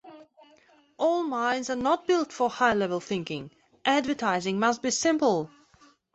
All minds are not built for high-level thinking. Advertising must be simple.